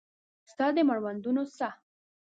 ستا د مړوندونو ساه